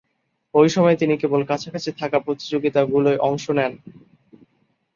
ঐ সময়ে তিনি কেবল কাছাকাছি থাকা প্রতিযোগিতাগুলোয় অংশ নেন।